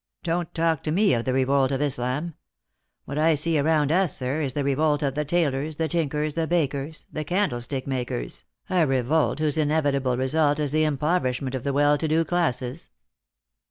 Don't talk to me of the Revolt of Islam. What I see around us, sir, is the revolt of the tailors, the tinkers, the bakers, the candlestick makers — a revolt whose inevitable result is the impoverishment of the well to do classes."